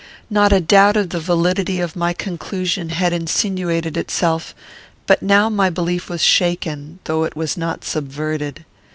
Not a doubt of the validity of my conclusion had insinuated itself; but now my belief was shaken, though it was not subverted.